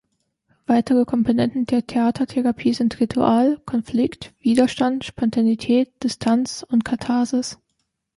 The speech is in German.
Weitere Komponenten der Theatertherapie sind Ritual, Konflikt, Widerstand, Spontaneität, Distanz und Katharsis.